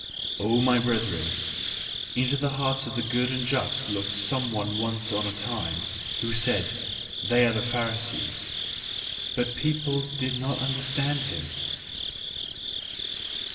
O my brethren, into the hearts of the good and just looked some one once on a time, who said: "They are the Pharisees." But people did not understand him.